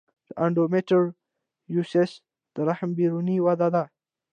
د انډومیټریوسس د رحم بیروني وده ده.